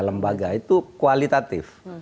lembaga itu kualitatif